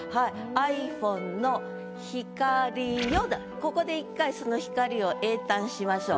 「ｉＰｈｏｎｅの光よ」でここで一回その光を詠嘆しましょう。